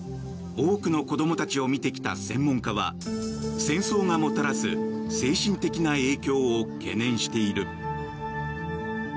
多くの子供たちを診てきた専門家は戦争がもたらす精神的な影響を懸念している。